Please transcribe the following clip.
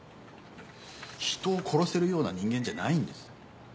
人を殺せるような人間じゃないんです。